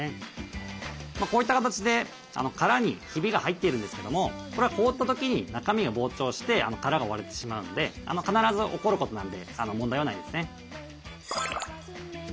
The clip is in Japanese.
こういった形で殻にひびが入っているんですけどもこれは凍った時に中身が膨張して殻が割れてしまうので必ず起こることなんで問題はないですね。